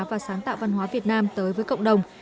và sáng tạo văn hóa việt nam tới với cộng đồng